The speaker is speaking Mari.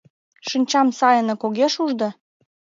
— Шинчам сайынак огеш уж да...